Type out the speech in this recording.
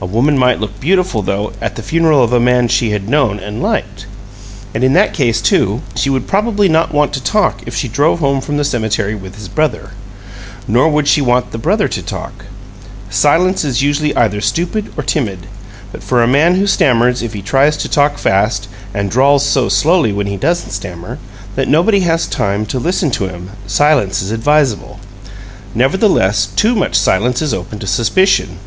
A woman might look beautiful, though, at the funeral of a man whom she had known and liked. And in that case, too, she would probably not want to talk if she drove home from the cemetery with his brother: nor would she want the brother to talk. Silence is usually either stupid or timid. But for a man who stammers if he tries to talk fast, and drawls so slowly, when he doesn't stammer, that nobody has time to listen to him, silence is advisable. Nevertheless, too much silence is open to suspicion.